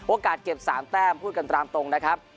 เก็บ๓แต้มพูดกันตามตรงนะครับ